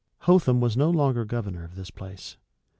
Hotham was no longer governor of this place.